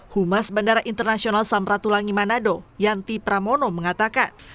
humas bandara internasional samratulangi manado yanti pramono mengatakan